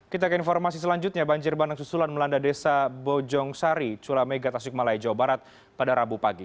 kita ke informasi selanjutnya banjir bandang susulan melanda desa bojong sari culamega tasikmalaya jawa barat pada rabu pagi